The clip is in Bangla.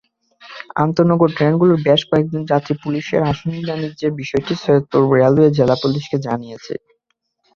আন্তনগর ট্রেনগুলোর বেশ কয়েকজন যাত্রী পুলিশের আসন-বাণিজ্যের বিষয়টি সৈয়দপুর রেলওয়ে জেলা পুলিশকে জানিয়েছেন।